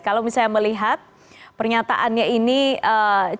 kalau misalnya melihat pernyataannya ini ee